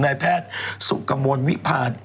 นายแพทย์สุขกังวลวิภา